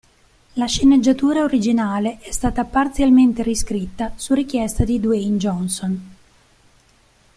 La sceneggiatura originale è stata parzialmente riscritta su richiesta di Dwayne Johnson.